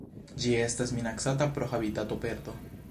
Ĝi estas minacata pro habitatoperdo.